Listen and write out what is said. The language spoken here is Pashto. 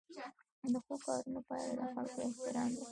د ښو کارونو پایله د خلکو احترام دی.